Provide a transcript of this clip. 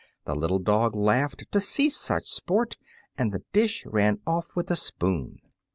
The little dog laughed To see such sport, And the dish ran off with the spoon!